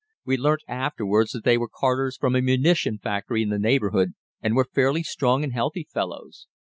We learnt afterwards that they were carters from a munition factory in the neighborhood, and were fairly strong and healthy fellows.